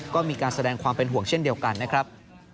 ก็มีการแสดงความเป็นห่วงเช่นเดียวกันนะครับ